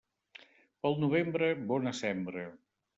Pel novembre, bona sembra.